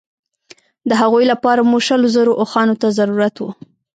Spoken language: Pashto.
د هغوی لپاره مو شلو زرو اوښانو ته ضرورت وو.